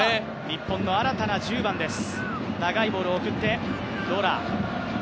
日本の新たな１０番です。